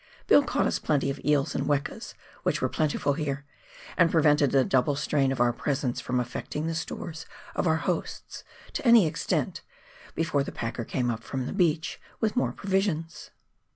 Bill caught us plenty of eels and wekas, which were plentiful here, and prevented the double strain of our presence from affecting the stores of our hosts to any extent, before the packer came up from the beach with more provisions.